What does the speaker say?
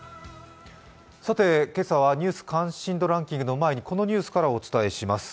今朝は「ニュース関心度ランキング」の前にこのニュースからお伝えします。